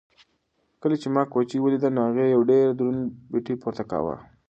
کله چې ما کوچۍ ولیده نو هغې یو ډېر دروند پېټی پورته کاوه.